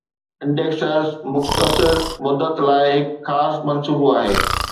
Indexers مختصر مدت لاء هڪ خاص منصوبو آهي